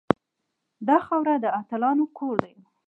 دا خاوره د اتلانو کور دی